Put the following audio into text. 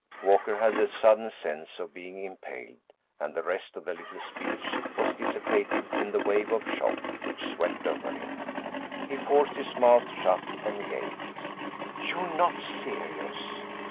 Walker had a sudden sense of being impaled, and the rest of the little speech was dissipated in the wave of shock which swept over him. He forced his mouth shut, and gasped, "You're not serious!"